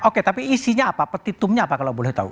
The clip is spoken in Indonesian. oke tapi isinya apa petitumnya apa kalau boleh tahu